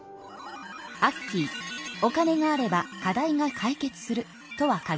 アッキーお金があれば課題が解決するとは限りません。